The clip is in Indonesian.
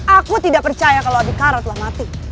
aku tidak percaya kalau habikara telah mati